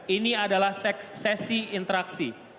ini adalah sesi interaksi